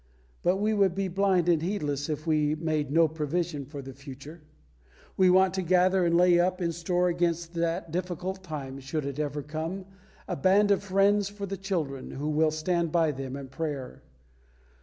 But we would be blind and heedless if we made no provision for the future. We want to gather and lay up in store against that difficult time (should it ever come) a band of friends for the children, who will stand by them in prayer.